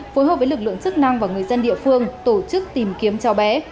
phối hợp với lực lượng chức năng và người dân địa phương tổ chức tìm kiếm cháu bé